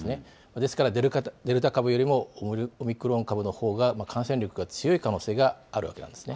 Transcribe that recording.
ですから、デルタ株よりもオミクロン株のほうが感染力が強い可能性があるわけなんですね。